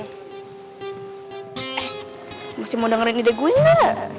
eh masih mau dengerin ide gue nggak